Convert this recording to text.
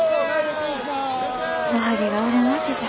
おはぎが売れんわけじゃ。